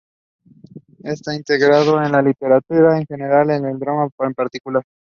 Estaba interesado en la literatura en general y el drama en particular.